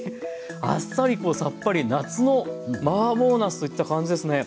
あっさりこうさっぱり夏のマーボーなすといった感じですね。